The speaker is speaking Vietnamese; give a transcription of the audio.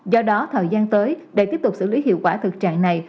do đó thời gian tới để tiếp tục xử lý hiệu quả thực trạng này